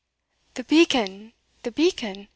"The beacon! the beacon!